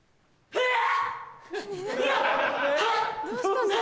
えっ